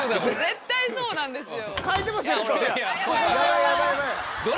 絶対そうなんですよ。